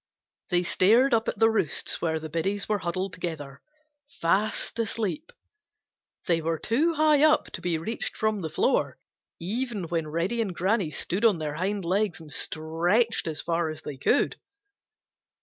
They stared up at the roosts where the biddies were huddled together, fast asleep. They were too high up to be reached from the floor even when Reddy and Granny stood on their hind legs and stretched as far as they could.